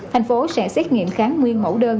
thành phố sẽ xét nghiệm kháng nguyên mẫu đơn